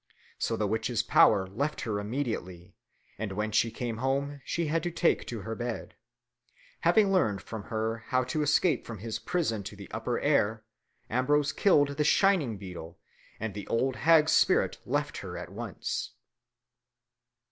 So the witch's power left her immediately, and when she came home, she had to take to her bed. Having learned from her how to escape from his prison to the upper air, Ambrose killed the shining beetle, and the old hag's spirit left her at once.